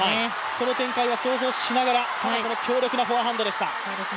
この展開は想像しながら、ただ強力なフォアハンドでした。